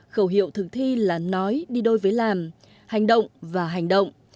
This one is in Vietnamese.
khẩu hiệu thực thi là nói đi đôi với làm hành động và hành động